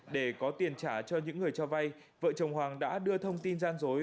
để có tiền trả cho những người cho vay vợ chồng hoàng đã đưa thông tin gian dối